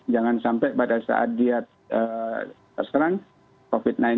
jangan sampai pada saat dia terserang covid sembilan belas